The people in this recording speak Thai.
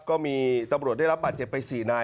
ก็มีตำรวจได้รับบาดเจ็บไป๔นาย